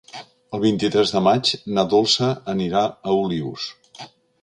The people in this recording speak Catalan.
El vint-i-tres de maig na Dolça anirà a Olius.